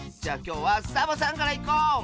じゃあきょうはサボさんからいこう！